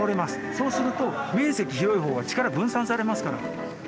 そうすると面積広いほうが力分散されますから。